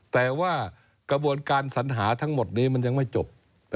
แต่ว่ากระบวนการสัญหาทั้งหมดนี้มันยังไม่จบ